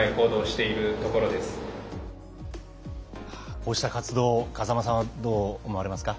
こうした活動を風間さんどう思われますか？